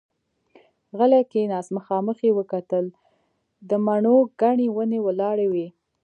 غلی کېناست، مخامخ يې وکتل، د مڼو ګنې ونې ولاړې وې.